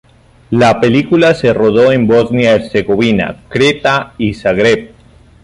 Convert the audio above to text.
La película se rodó en Bosnia Herzegovina, Creta y Zagreb.